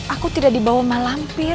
aku tidak dibawa mak lampir